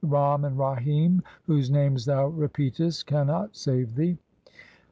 Ram and Rahim whose names thou repeatest cannot save thee.